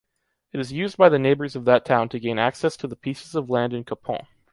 It is used by the neighbors of that town to gain access to the pieces of land in Copons.